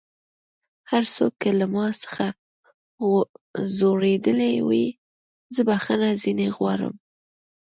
هر څوک که له ما څخه ځؤرېدلی وي زه بخښنه ځينې غواړم